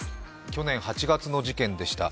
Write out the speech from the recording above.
去年８月の事件でした。